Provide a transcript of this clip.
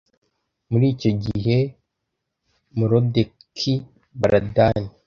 Muri icyo gihe Merodaki‐Baladani,